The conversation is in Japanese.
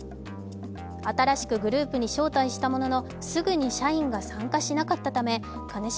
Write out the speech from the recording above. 新しくグループに招待したものの、すぐに社員が参加しなかったため兼重